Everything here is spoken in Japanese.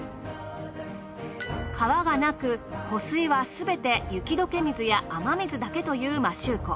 川がなく湖水はすべて雪解け水や雨水だけという摩周湖。